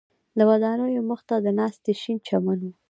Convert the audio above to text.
د ودانیو مخ ته د ناستي شین چمن و.